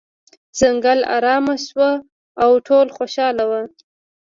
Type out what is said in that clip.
ځنګل ارامه شو او ټول خوشحاله وو.